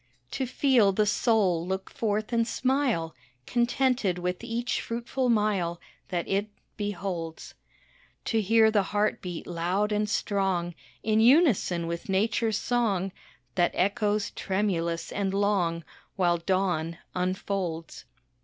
To feel the soul look forth and smile, Contented with each fruitful mile That it beholds. To hear the heart beat loud and strong, In unison with Nature's song, That echoes tremulous and long While dawn unfolds.